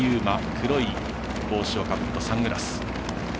黒い帽子をかぶった、サングラス。